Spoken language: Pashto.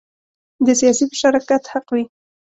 د سیاسي مشارکت حق وي.